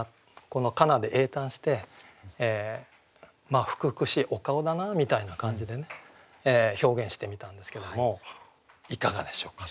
この「かな」で詠嘆して福々しいお顔だなみたいな感じでね表現してみたんですけどもいかがでしょうか。